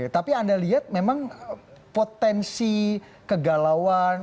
tapi anda lihat memang potensi kegalauan